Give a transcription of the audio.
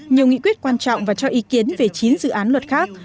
nhiều nghị quyết quan trọng và cho ý kiến về chín dự án luật khác